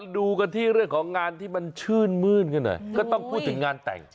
ดูกันที่เรื่องของงานที่มันชื่นมื้นกันหน่อยก็ต้องพูดถึงงานแต่ง